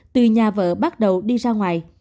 từ nhà vợ bắt đầu đi ra ngoài